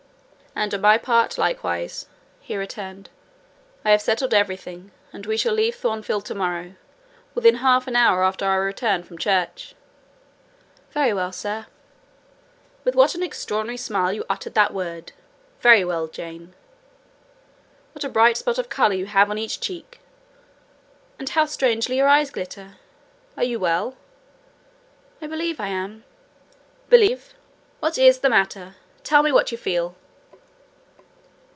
"And on my part likewise," he returned, "I have settled everything; and we shall leave Thornfield to morrow, within half an hour after our return from church." "Very well, sir." "With what an extraordinary smile you uttered that word—'very well,' Jane! What a bright spot of colour you have on each cheek! and how strangely your eyes glitter! Are you well?" "I believe I am." "Believe! What is the matter? Tell me what you feel."